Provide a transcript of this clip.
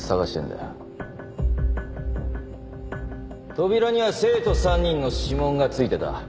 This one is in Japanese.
扉には生徒３人の指紋がついてた。